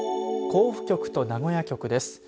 甲府局と名古屋局です。